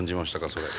それ。